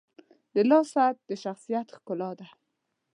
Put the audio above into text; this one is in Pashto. • د لاس ساعت د شخصیت ښکلا ده.